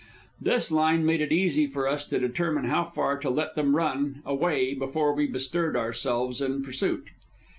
This line made it easy for us to determine how far to let them run away before we bestirred ourselves in pursuit.